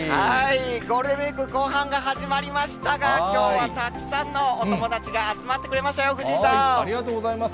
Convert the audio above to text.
ゴールデンウィーク後半が始まりましたが、きょうはたくさんのお友達が集まってくれましたよ、ありがとうございます。